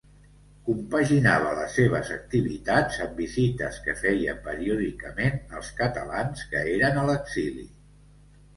Compaginava les seves activitats amb visites que feia, periòdicament, als catalans que eren a l'exili.